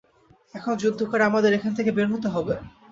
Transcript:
এখন যুদ্ধ করে আমাদের এখান থেকে বের হতে হবে।